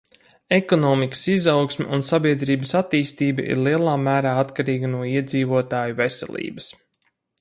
Ekonomikas izaugsme un sabiedrības attīstība ir lielā mērā atkarīga no iedzīvotāju veselības.